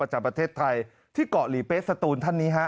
จากประเทศไทยที่เกาะหลีเป๊สสตูนท่านนี้ฮะ